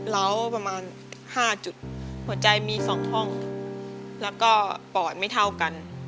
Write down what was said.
เหล้าประมาณ๕จุดหัวใจมี๒ห้องแล้วก็ปอดไม่เท่ากัน